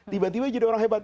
tiba tiba jadi orang hebat